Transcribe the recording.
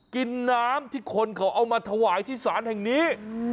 กินน้ำที่คนเขาเอามาถวายที่ศาลแห่งนี้